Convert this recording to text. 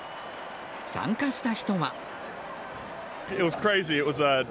参加した人は。